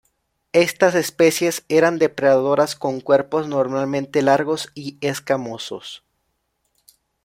Estas especies eran depredadoras, con cuerpos normalmente largos y escamosos.